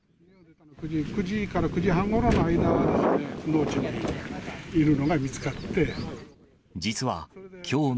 ９時から９時半ごろの間、農地にいるのが見つかって。